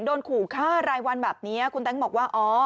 โดนขู่ฆ่ารายวันแบบนี้คุณแต๊งบอกว่าอ๋อ